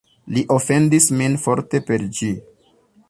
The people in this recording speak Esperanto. Li ofendis min forte per ĝi.